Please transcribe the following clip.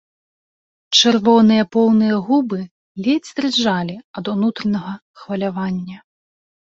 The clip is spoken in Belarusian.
Чырвоныя поўныя губы ледзь дрыжалі ад унутранага хвалявання.